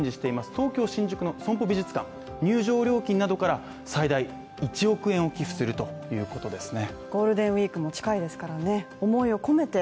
東京新宿のＳＯＭＰＯ美術館、入場料金などから最大１億円寄付するということですね。